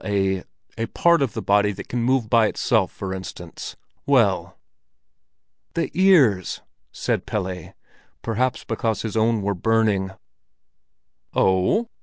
—a part of the body that can move by itself, for instance? Well!" "The ears!" said Pelle, perhaps because his own were burning. "O oh?